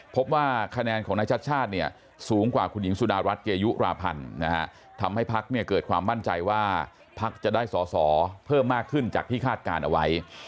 พบว่าคะแนนของนายชาติชาติเนี่ยสูงกว่าคุณหญิงสุดารัฐเกยุราพันธ์นะฮะทำให้พักเนี่ยเกิดความมั่นใจว่าพักจะได้สอสอเพิ่มมากขึ้นจากที่คาดการณ์เอาไว้